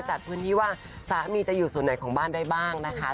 จัดพื้นที่ว่าสามีจะอยู่ส่วนไหนของบ้านได้บ้างนะคะ